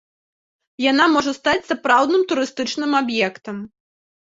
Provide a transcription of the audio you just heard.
Яна можа стаць сапраўдным турыстычным аб'ектам.